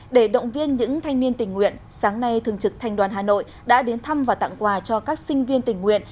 để động viên những thanh niên tình nguyện sáng nay thường trực thành đoàn hà nội đã đến thăm và tặng quà cho các sinh viên tình nguyện